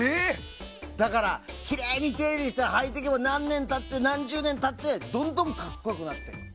だから、きれいに手入れして履いていって何年経って何十年も経ってどんどん格好良くなる。